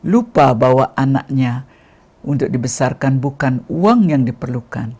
lupa bahwa anaknya untuk dibesarkan bukan uang yang diperlukan